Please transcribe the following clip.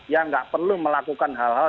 yang nggak perlu melakukan hal hal